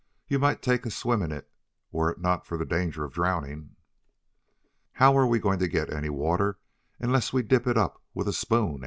"You might take a swim in it were it not for the danger of drowning." "How are we going to get any water unless we dip it up with a spoon?"